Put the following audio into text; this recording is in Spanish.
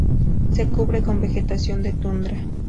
Se cubre con vegetación de tundra.